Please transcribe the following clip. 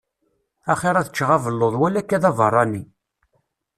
Axir ad ččeɣ abelluḍ wala akka d abeṛṛani.